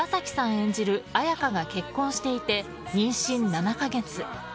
演じる彩佳が結婚していて妊娠７か月。